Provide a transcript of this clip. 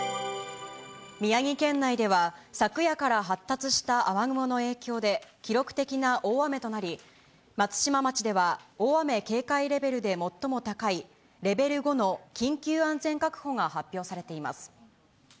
宮城県内では、昨夜から発達した雨雲の影響で、記録的な大雨となり、松島町では、大雨警戒レベルで最も高い、レベル５の緊急安全確保が発表されています。